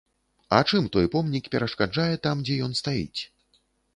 А чым той помнік перашкаджае там, дзе ён стаіць?